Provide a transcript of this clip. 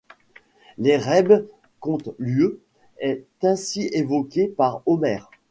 L'Érèbe comme lieu est ainsi évoqué par Homère.